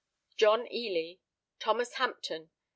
John Elye. Thomas Hampton.